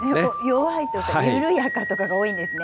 弱いとか緩やかとかが多いんですね。